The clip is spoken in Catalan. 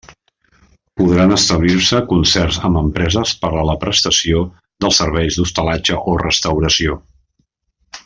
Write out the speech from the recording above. Podran establir-se concerts amb empreses per a la prestació dels servicis d'hostalatge o restauració.